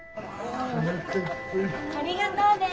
ありがとうね。